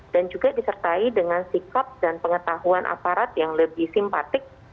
dan juga disertai dengan sikap dan pengetahuan aparat yang lebih simpatik